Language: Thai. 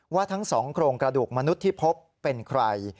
ว่าทั้งสองโครงกระดูกมนุษย์ที่พบเป็นใคร